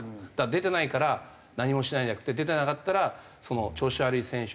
出てないから何もしないじゃなくて出てなかったら調子悪い選手に投げてくれたりとか。